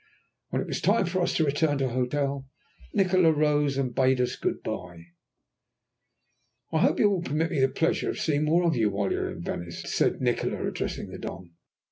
When it was time for us to return to our hotel, Nikola rose and bade us good bye. "I hope you will permit me the pleasure of seeing more of you while you are in Venice," said Nikola, addressing the Don.